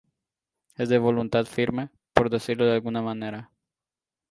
es de voluntad firme. por decirlo de alguna manera.